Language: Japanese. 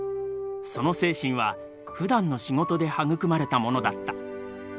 その精神はふだんの仕事で育まれたものだった。